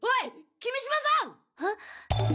君島さん！